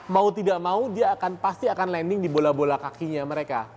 mau tidak mau dia akan pasti akan landing di bola bola kakinya mereka